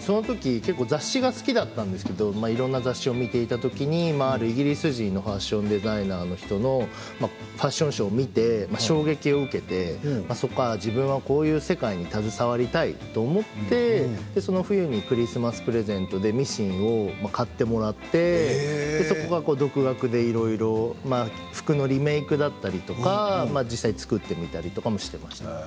そのとき雑誌が好きだったんですけれどもいろいろな雑誌を見ていたときにイギリス人のファッションデザイナーの人のファッションショーを見て衝撃を受けてそこから自分はこういう世界に携わりたいと思ってその冬にクリスマスプレゼントでミシンを買ってもらってそこから独学でいろいろ服のリメークだったりとか実際に作ってみたりとかもしていました。